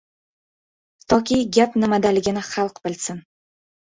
Toki, gap nimadaligini xalq bilsin!